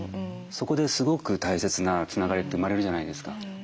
そこですごく大切なつながりって生まれるじゃないですか。